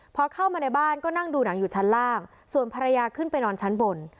พอเข้ามาในบ้านก็นั่งดูหนังอยู่ชั้นล่างส่วนภรรยาขึ้นไปนอนชั้นบน